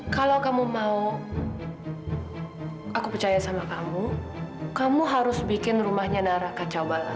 kalau kamu mau aku percaya sama kamu kamu harus bikin rumahnya nara kaca bala